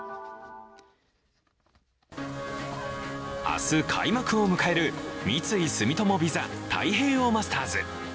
明日、開幕を迎える三井住友ＶＩＳＡ太平洋マスターズ。